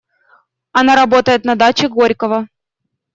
Она работает на даче Горького.